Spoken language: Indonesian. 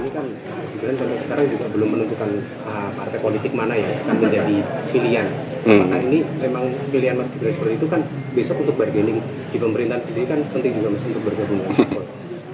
yang pilihan mas gita soer itu kan besok untuk bargaining di pemerintahan sendiri kan penting juga mas untuk bergabungan